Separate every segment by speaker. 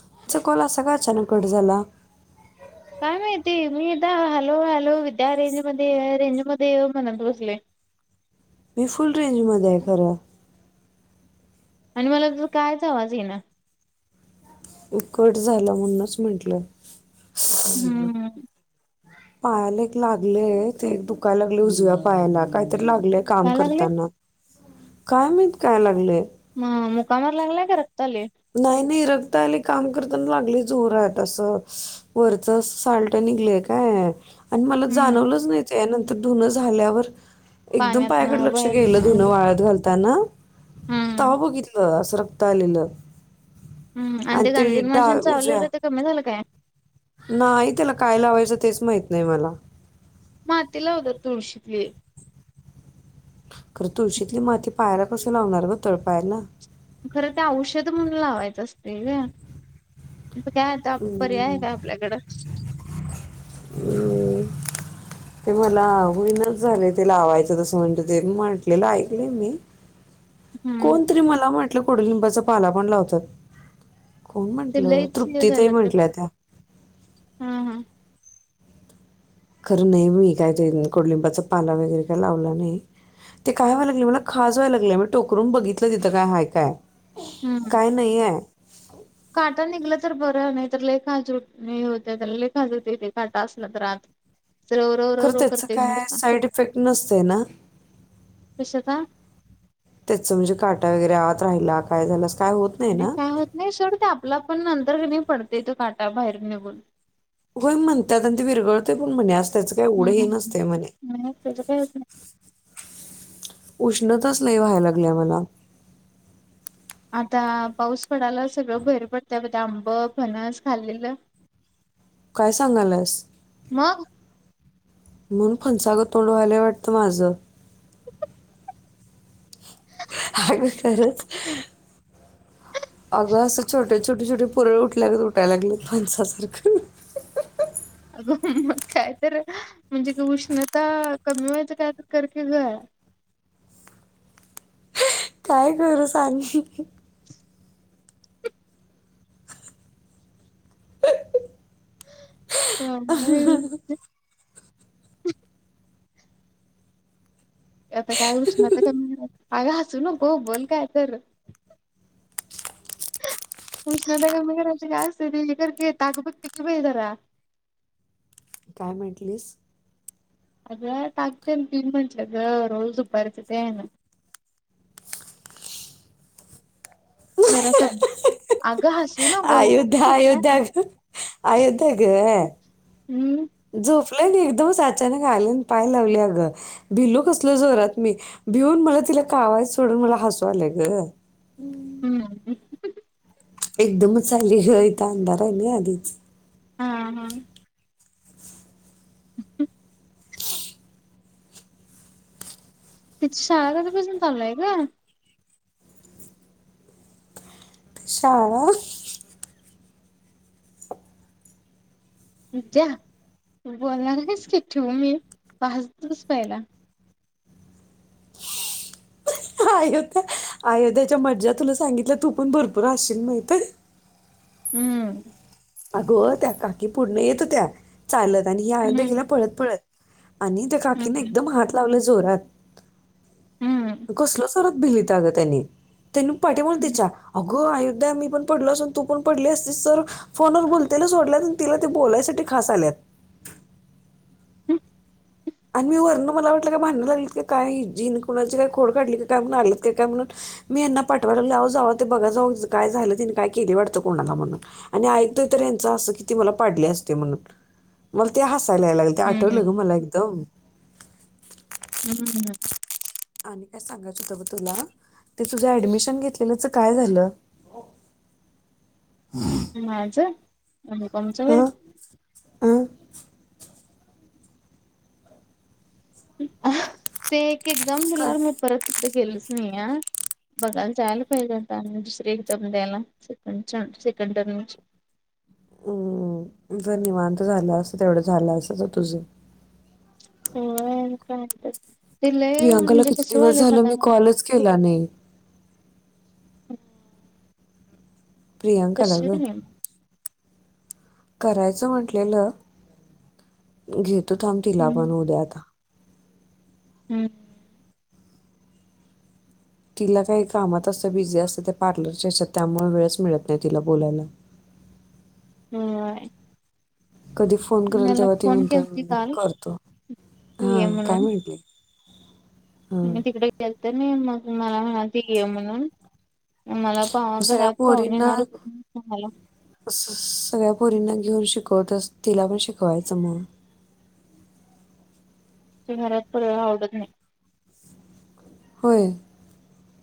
Speaker 1: तुमचा कॉल असा का अचानक कट झाला.
Speaker 2: काय माहिती मी दा हॅलो हॅलो विद्या रेंज मध्ये रेंज मध्ये म्हणत बसले.
Speaker 1: मी फुल रेंजमध्ये आहे खरं.
Speaker 2: आणि मला तर कायच आवाज ये ना.
Speaker 1: उकट झालं म्हणूनच म्हंटलं.
Speaker 2: हम्म
Speaker 1: पायाला एक लागले, ते एक दुकायला लागले उजव्या पायाला काय. तर लागलेय काम
Speaker 2: काय लागले
Speaker 1: करताना. काय मत काय लागलेय.
Speaker 2: मामु कमावर लागलाय का रं.
Speaker 1: नाही नाही र आत्ता आली काम करताना लागले जोरात असं वरच सालट निघलय काय आणि मला
Speaker 2: हम्म
Speaker 1: जाणवलंच नाही. त्यानंतर धुन झाल्यावर एकदम
Speaker 2: पाण्यात न
Speaker 1: पायाकडे लक्ष
Speaker 2: बाहेर
Speaker 1: गेलं
Speaker 2: हा
Speaker 1: धुनं वाळत घाल त्यान
Speaker 2: हम्म
Speaker 1: तवा बघितलं असं रक्त आलेलं.
Speaker 2: हम्म. आणि ते गांधीन माशांनी चावलेलं ते कमी झालं काय?
Speaker 1: नाही त्याला काय लावायचं तेच माहित नाही मला.
Speaker 2: माती लावतात तुळशीतली.
Speaker 1: खरं तुळशीतली माती पायला कसं लावणार ग तळपायला.
Speaker 2: खरं ते औषध म्हणून लावायचं असते ग. काय आता पर्याय आहे
Speaker 1: हम्म,
Speaker 2: काय आपल्याकडं?
Speaker 1: हम्म. ते मला होईनच झाले ते लावायचं तसं म्हणत ते म्हटले ऐकले मी.
Speaker 2: हम्म
Speaker 1: कोण तरी मला म्हट ते कडूलिंबाचा पाला पण लावतात. कोण
Speaker 2: ते
Speaker 1: म्हंटलं
Speaker 2: लईच हे
Speaker 1: तृप्ती ताई
Speaker 2: झालं ते
Speaker 1: म्हटल्या त्या.
Speaker 2: हा हा.
Speaker 1: खरं नाही बाई मी काय ते कडूलिंबाचा पाला वगैरे काय लावला नाही. ते काय व्हायं लागले मला खाज व्हाय लागलं मी टोकरून बघितलं तिथं काय हाय काय.
Speaker 2: हम्म
Speaker 1: काय नाहीये.
Speaker 2: काटा निघला तर बरं नाही तर लई खाज--उ होत त्याला लई खाजवतंय ते कट असला तर आत रव रव रव
Speaker 1: खर
Speaker 2: रव
Speaker 1: तेच
Speaker 2: करतंय
Speaker 1: काय
Speaker 2: नुसता.
Speaker 1: साईड इफेक्ट नसते ना.
Speaker 2: कशाचा
Speaker 1: त्याच म्हणजे काटा वगैरे आत राहिला काय झालं
Speaker 2: म्हणजे काय होत नाही सोडते आपला पण न [unintelligible] कणी पडते तो काटा बाहेर निघून.
Speaker 1: होय. म्हणतात ते विरगळते पण म्हणे अस त्याचं काय एवढं हे
Speaker 2: हम्म.
Speaker 1: नसतं म्हणे.
Speaker 2: नाही त्याचं काय होत नाही.
Speaker 1: उ उष्णताच लय व्हायला लागल्या मला.
Speaker 2: आता पाऊस पडायला सगळं बहेर पडतं ब आंब फनस खाल्लेलं.
Speaker 1: काय सांगायलास?
Speaker 2: मग
Speaker 1: म्हणून फणसागत तोंड व्हायलय वाटतं माझं. अहं अगं खरंच! अगं असं छोटे, छोटे, छोटे पुरळ उठल्या उठायला लागले फणसासारखं.
Speaker 2: अगं मग काय तर म्हणजे उष्णता कमी व्हायच काय तर कर की ग?
Speaker 1: काय करू सांग अहं
Speaker 2: [inaudible] ह हम्म हम्म आता काय उष्णता कमी अग हसू नको बोल काय तर उष्णता का मरा काय अस कर ताक बची बाई जरा
Speaker 1: काय म्हटलीस
Speaker 2: अगं टाकते तिन म्हटल रोज दुपारच ते ना [inaudible] मरा स अग हस
Speaker 1: अयोध्या अयोध्या ग अयोध्या ग
Speaker 2: हम्म
Speaker 1: झोपलंय एकदमच अचानक आले पाय लावले अगं भिलू कसलं जोरात मी भिऊन मला तिला कावाय सोडून मला हसू आलंय ग
Speaker 2: हम्म
Speaker 1: एकदमच चालीय गं इथ अंधार आहे ना आधीच
Speaker 2: हा हा नस् तिची शाळा कपासून चालूय ग.
Speaker 1: [unintelligible]
Speaker 2: जा बोलणार आहेच की ठेऊ मी पाच दिवस पहिला.
Speaker 1: अयोध्या अयोध्याच्या मज्जा तुला सांगितलं तू पण भरपूर हासशील माहितय.
Speaker 2: हम्म
Speaker 1: अगो त्या काकी पुर्ण येतो त्या चालत आणि हे आयुंद केेल्या
Speaker 2: हम्म
Speaker 1: पळत पळत. आणि त्या काकीने
Speaker 2: हम्म
Speaker 1: एकदम ह लावले जोरात
Speaker 2: हम्म.
Speaker 1: कसल सरात भिलीत अगं त्यांनी त्यांनी पाठी म्हण त्याच्या अगं अयोध्या मी पण पडलो असून तू पण पडली असते तर फोनवर बोलतेय सोडल्यात आणि तिला ते बोलायसाठी खास आल्यात.
Speaker 2: हम्म
Speaker 1: आणि मी वर्ण मला वाटलं का भांडं लागलं का काय जी कोणाची काय खोड काढली क काय म्हलीत का काय म्हणून अन् मी वरन मला वाटलं भांडू राहिली की काय जीन कुणाची काय खोड काढली की काय म्हणून मी ह्यांना पाठवाय लागलह जाव ते बघा जाऊ काय झालं ति काय केली वाटतं कोणाला म्हणून आणि ऐकतोय तर यांं असं कि ती मला पाडली असते म्हणून मला ते हस चलायला लागल ते आटवलं ग
Speaker 2: हम्म
Speaker 1: मला बी. हो
Speaker 2: हम्म हम्
Speaker 1: आणि काय सांगायचं होत ग तुला ते तुझ्या ऍडमिशन घेतलेलंच काय झालं?
Speaker 2: [unintelligible]
Speaker 1: हां हां
Speaker 2: [unintelligible] ते एकदम दिला
Speaker 1: काय
Speaker 2: मी परत तिकडेे गेलोच नाही. बघायला जायला पाहिजे आता दुसरी एक्झाम द्यायला सेकंड चान्स सेकंड टर्मची.
Speaker 1: हम्म जर निवांत झाला असत तेवढं झालं अस तर तुझ.
Speaker 2: हो काय आता
Speaker 1: प्रियांकाला किती दिवस झालं मी कॉलच केला नाही. प्रियांकाला
Speaker 2: करशील
Speaker 1: ग
Speaker 2: की नाही मग?
Speaker 1: करायचं म्हटलेलं घेत त थांब तिला
Speaker 2: हम्म.
Speaker 1: पण उद्याता
Speaker 2: हम्म
Speaker 1: तिला काही कामात असतं बिझी असतं ते पार्लरच्या याच्यात त्यामुळे वेळच मिळत नाही तिला बोलायला
Speaker 2: [unintelligible]
Speaker 1: कधी फोन करेल
Speaker 2: मला
Speaker 1: तेव्हा तेी
Speaker 2: फोन
Speaker 1: म्हणताात
Speaker 2: केलती
Speaker 1: म
Speaker 2: काल
Speaker 1: करतो हा
Speaker 2: ये
Speaker 1: काय
Speaker 2: म्हणून.
Speaker 1: म्हटले? [inaudible]
Speaker 2: मी तिकडे तर नाही मग मला म्हणालती ये म्हणून मला पाव
Speaker 1: सगळ्या
Speaker 2: घरात पाहुणे
Speaker 1: पोरींना
Speaker 2: येणार होते मला
Speaker 1: सगळ्या पोरींना घेऊन शिक शिकवत अस तिला पण शिकवायचं म.
Speaker 2: घरात कुणाला आवडत नाही.
Speaker 1: होय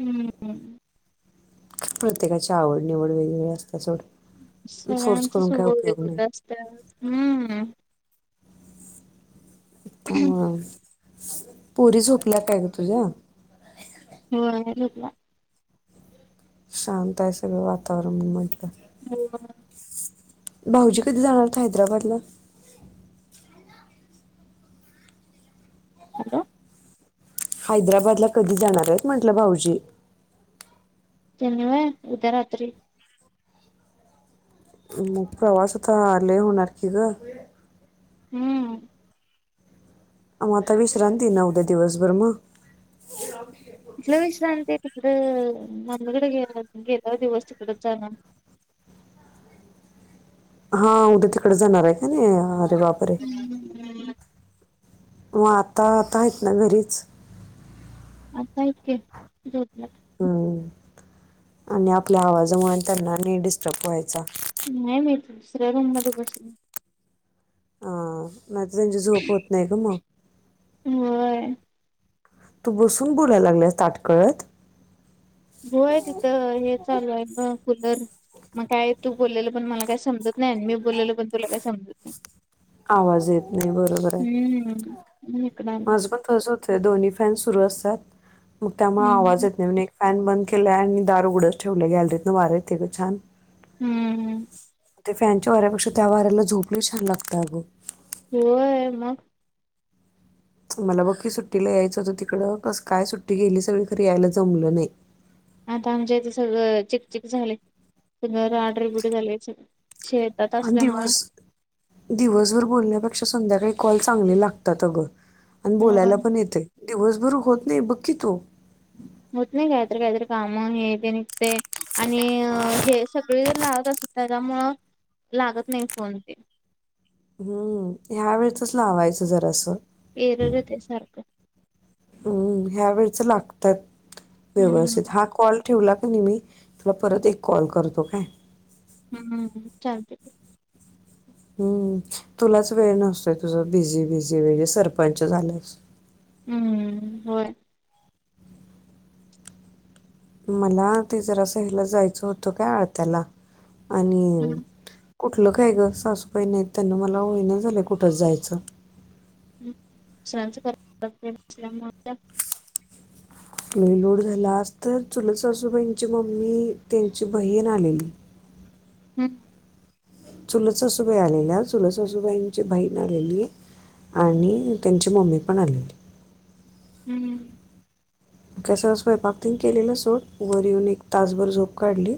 Speaker 2: हम्
Speaker 1: प्रत्येकाची आवड निवड वेगवेगळी असतीया सोड. फोर्स
Speaker 2: सगळ्यांच
Speaker 1: करून काय
Speaker 2: स्वभाव
Speaker 1: उपयोग नाही
Speaker 2: वेगवेगळे असतात हम्म
Speaker 1: त्यामुळेच पोरी झोपल्या काय गं तुझ्या
Speaker 2: होय झोपल्या
Speaker 1: शांत आहे सगळं वातावरण म्हणून म्हटलं
Speaker 2: होय
Speaker 1: भाऊजी कधी जाणार हायत हैदराबादला
Speaker 2: हॅलो
Speaker 1: हैदराबादला कधी जाणार आहेत म्हंटलं भाऊजी
Speaker 2: त्यांनी वय उद्या रात्री
Speaker 1: मग प्रवास आत्ता लय होणार की गं
Speaker 2: हम्म
Speaker 1: म आता विश्रांतीना उद्या दिवसभर मग
Speaker 2: कुठलं विश्रांती ती हम्म मम्मीकडे गेला गेल्याव दिवस तिकडच जाणार
Speaker 1: हा उद्या तिकडे जाणार आहे का नाही अरे बापरे
Speaker 2: हम्म हम् हम्म
Speaker 1: मग आता आता आहेत ना घरीच
Speaker 2: आता आहेत की झोपल्यात
Speaker 1: हम्म आणि आपल्या आवाजामुळे त्यांना आणि डिस्टर्ब व्हायचं
Speaker 2: नाही मी दुसऱ्या रूम मध्ये बसून
Speaker 1: हा नाही त त्यांची झोप होत नाही ना मग
Speaker 2: होय
Speaker 1: तू बसून बोलायला लागल्यास ताटकळत
Speaker 2: होय तिथं हे चालू आहे गं वर मग काय तू बोललेलं पण मला काय समजत नाही मी बोलललं पण तुला कस समजत नाही
Speaker 1: आवाज येत नाही बरोबर आहे
Speaker 2: हम्म म्हणून इकडं आलो
Speaker 1: माज पण तसचं होते दोन्ही फॅन सुरू अस तात मग त्यामुळे आवाज
Speaker 2: हम्म
Speaker 1: येत नाही ओ निट फॅन बंद केलाय आणि दार उघडच ठेवलय गॅलरीतन वार येत गं छान
Speaker 2: हम्म हम्म
Speaker 1: ते फॅनच्या वाऱ्यापेक्षा त्या वाऱ्याला झोप लय छान लागतं अगं
Speaker 2: होय मग
Speaker 1: मला बघकी सुट्टीला यायचं होतं तिकडं कस काय सुट्टी गेली सगळी खरी यायला जमलं नाही
Speaker 2: आता आमच्या इथे सगळं चिकचिक झालंय, सगळं राडरिबीट झालंय सगळं शेतात
Speaker 1: आणि
Speaker 2: असल्यामुळे
Speaker 1: दिवस दिवसभर बोलल्यावर संध्याकाळी कॉल चांगले लागतात अंग आणि
Speaker 2: होय.
Speaker 1: बोलायला पण येतंय दिवस बर होत नाही बघ की तो,
Speaker 2: होत नाही कायतर कायतर काम हे ते निघतय आणि हे सगळे लागतं असतात. त्यामुळं लागतं नाही फोन ते
Speaker 1: हम्म ह्या वेळचच लावायचं जरासं
Speaker 2: ऐरर येतंय सारखं
Speaker 1: असं लागतात.
Speaker 2: हम्म
Speaker 1: व्यवस्थित हा कॉल ठेवला कणी मी, तुला परत एक कॉल करतो काय.
Speaker 2: हम्म चालते.
Speaker 1: हम्म तुलाच वेळ नसतोय, तुझ बिझी बिझी बिझी सरपंच झाल्यास.
Speaker 2: हम्म होय.
Speaker 1: मला ते जरास हेला जायचं होतं काय आळत्याला आणि कुठलं काय गं सासूबाई नाहीत, त्यान मला होईना झालंय कुठंच जायचं.
Speaker 2: हम् सर्च करत असतील त्याच्यामुळं काय
Speaker 1: लय लोड झालं आजतर चुलत सासूबाईंची मम्मी त्यांची बहीण आलेली.
Speaker 2: हम्
Speaker 1: चुलच सासूबाई आलेल्या चुलत सासूबाईंची बहीण आलेली आणि त्यांची मम्मी पण आलेली.
Speaker 2: हम्म
Speaker 1: तसं स्वयंपाक तेन केलेलं सोड. वर येऊन एक तासभर झोप काढली.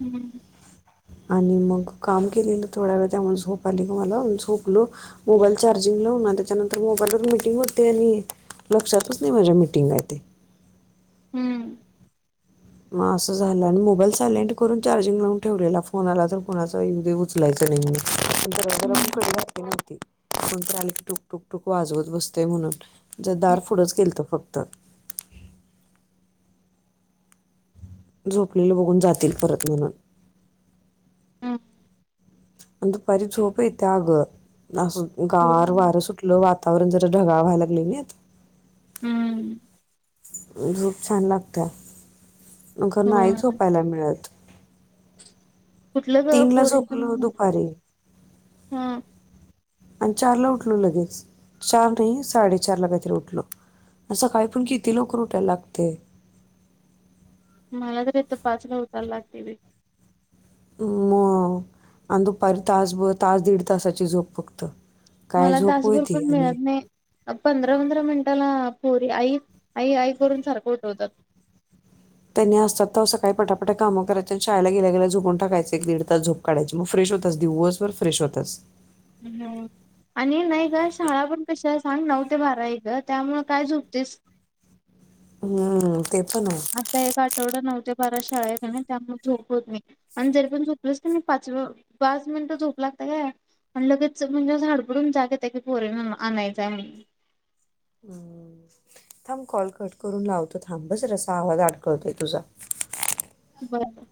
Speaker 2: हम्म
Speaker 1: आणि मग काम केलेलं थोड्या वेळ त्यामुळे झोप आलेली मला झोपलो मोबाईल चार्जिंग लावून त्याच्यानंतर मोबाईलवर मिटिंग होती आणि लक्षातच नाही माझ्या मिटिंग आहे ते.
Speaker 2: हम्म
Speaker 1: मग असं झालं आणि मोबाईल सायलेंट करून चार्जिंग लावून ठेवलेला, फोन आला तर कुणाचा येऊ दे उचलायचं नाही म्हणून, दरवाजाला आतून
Speaker 2: हम्म
Speaker 1: कडी घातली नाही कोणतर आलं की टूक टुक टूक वाजवत बसतंय म्हणून जरा दार पुढंच केलंत फक्त तर झोपलेले बघून जातील परत म्हणून,
Speaker 2: हम्
Speaker 1: आणि दुपारी झोप येत्या आ गं. असं गार
Speaker 2: हम्म
Speaker 1: वार सुटल वा तावरण जरा ढगाळ व्हायला लागलेलीत.
Speaker 2: हम्म
Speaker 1: झोप छान लागत्या. खरं
Speaker 2: हो
Speaker 1: नाही झोपायला मिळत.
Speaker 2: कुठलं ग
Speaker 1: तीन ला
Speaker 2: पोरीच
Speaker 1: झोपलो दुपारीे आणि चार ला उठलो लगेच चार नाही साडेचार ला काहीतरी उठलो. असं काय पण किती लवकर उठायला लागतय. ते.
Speaker 2: मला तर तर पाचला उतारयला लागते बाई.
Speaker 1: म आणि दुपारी तास ब तास दीड तासाची झोप फक्त. काय
Speaker 2: मला
Speaker 1: झोप होय
Speaker 2: तासभर
Speaker 1: ती
Speaker 2: पण
Speaker 1: आणि
Speaker 2: मिळत नाही पंधरा पंधरा मिनिटाला. पोरी आई आई आई करून सारखं उठवतात.
Speaker 1: त्यांनी असतात तर सकाळी पटापट काम कराय आणि शाळेला गेल्या गेल्या झोपूनाकायच एक दीड तास झोप काढायची मग फ्रेश होतच दिवसभर फ्रेश होतच.
Speaker 2: हम्म. आणि नाही ग शाळा पण कशी आहे सांग नऊ ते बारा एक त्यामु काय झुपतीस.
Speaker 1: हम्म. ते पण आहे
Speaker 2: आता एक आठवडा नव्हत. बारा शाळा आहे का त्यामुळे झोप होत मी आणि जरी पण झोपलच मी पाच पाच मिनिटं झोप लागते का आणि लगेच म्हणजे हडपुडून जाग येत की पोर आणायचंय म्हण.
Speaker 1: हम् थांब कॉल कट करून लावतो थांब बस रसा आवाज आडकळतोय तुझा.
Speaker 2: बर.